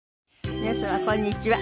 皆様こんにちは。